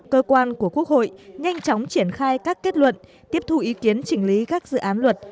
cơ quan của quốc hội nhanh chóng triển khai các kết luận tiếp thu ý kiến chỉnh lý các dự án luật